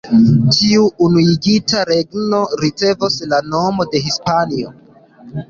Tiu unuigita regno ricevos la nomon de Hispanio.